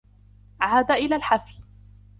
عاد إلى الحفل.